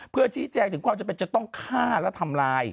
เพื่อชี้แจงถึงความจำเป็นจะต้องฆ่าและทำลาย